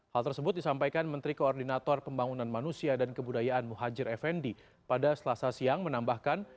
hal tersebut disampaikan menteri koordinator pembangunan manusia dan kebudayaan muhajir effendi pada selasa siang menambahkan